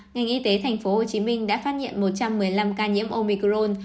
ngành y tế tp hcm đã phát hiện một trăm một mươi năm ca nhiễm omicrone